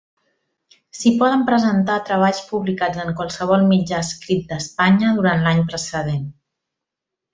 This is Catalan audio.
S'hi poden presentar treballs publicats en qualsevol mitjà escrit d'Espanya durant l'any precedent.